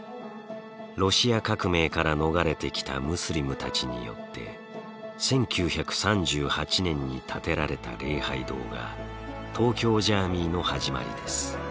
ロシア革命から逃れてきたムスリムたちによって１９３８年に建てられた礼拝堂が東京ジャーミイの始まりです。